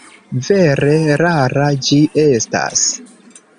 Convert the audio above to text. Vere rara ĝi estas.